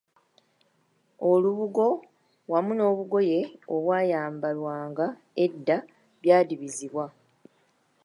Olubugo wamu n'obugoye obwayambalwanga edda byadibizibwa.